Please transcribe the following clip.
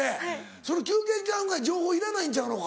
それ休憩時間ぐらい情報いらないんちゃうのか？